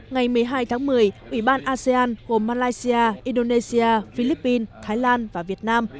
ngày một mươi hai tháng một mươi ủy ban asean gồm malaysia indonesia philippines thái lan và việt nam